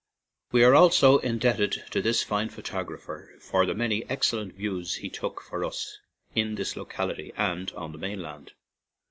(We are also indebted to this fine photographer for the many excellent views he took for us in this locality and on the mainland.)